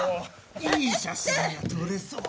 いい写真が撮れそうだ。